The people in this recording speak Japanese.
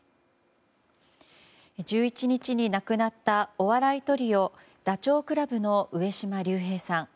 １１日に亡くなったお笑いトリオ、ダチョウ倶楽部の上島竜兵さん。